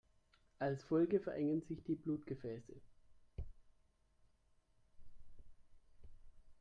Als Folge verengen sich die Blutgefäße.